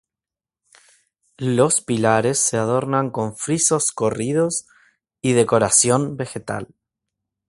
Los pilares se adornan con frisos corridos y decoración vegetal.